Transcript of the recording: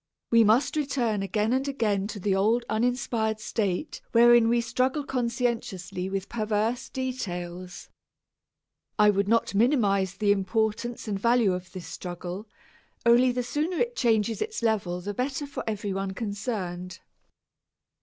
We must return again and again to the old uninspired state wherein we struggle conscientiously with perverse details. I would not minimize the importance and value of this struggle; only the sooner it changes its level the better for every one concerned.